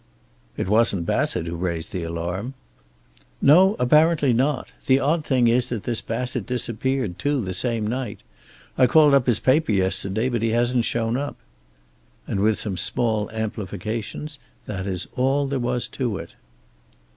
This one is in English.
"It wasn't Bassett who raised the alarm?" "No, apparently not. The odd thing is that this Bassett disappeared, too, the same night. I called up his paper yesterday, but he hasn't shown up." And with some small amplifications, that is all there was to it.